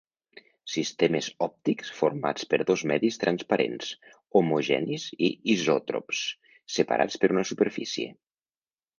Sistemes òptics formats per dos medis transparents, homogenis i isòtrops, separats per una superfície.